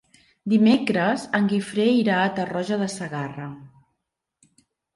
Dimecres en Guifré irà a Tarroja de Segarra.